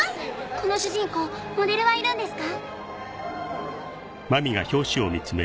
この主人公モデルはいるんですか？